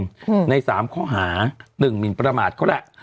ที่สิบสิงหาคมในสามข้อหาหนึ่งหมินประมาทเขาแหละ